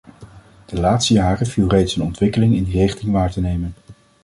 De laatste jaren viel reeds een ontwikkeling in die richting waar te nemen.